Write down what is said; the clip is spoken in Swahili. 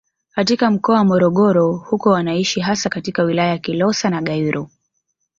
Katika mkoa wa Morogoro huko wanaishi hasa katika wilaya za Kilosa na Gairo